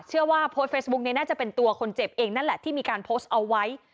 โพสต์เฟซบุ๊กนี้น่าจะเป็นตัวคนเจ็บเองนั่นแหละที่มีการโพสต์เอาไว้